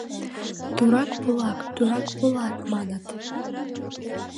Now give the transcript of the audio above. — Турак полат, турак полат, маныт.